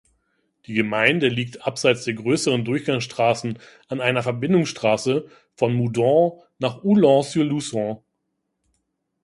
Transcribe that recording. Die Gemeinde liegt abseits der grösseren Durchgangsstrassen an einer Verbindungsstrasse von Moudon nach Oulens-sur-Lucens.